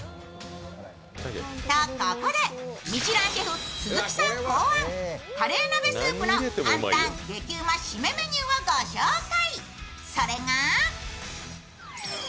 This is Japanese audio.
と、ここでミシュランシェフの鈴木さん考案カレー鍋スープの簡単激うま締めメニューをご紹介。